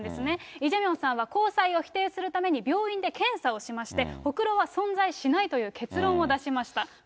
イ・ジェミョンさんは交際を否定するために病院で検査をしまして、ほくろは存在しないという結論を出しました。